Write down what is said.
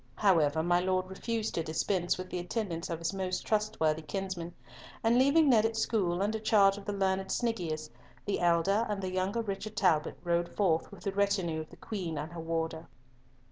However, my Lord refused to dispense with the attendance of his most trustworthy kinsman, and leaving Ned at school under charge of the learned Sniggius, the elder and the younger Richard Talbot rode forth with the retinue of the Queen and her warder.